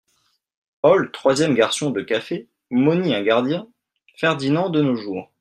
Paul Troisième garçon de café : Mosny Un gardien : Ferdinand De nos jours.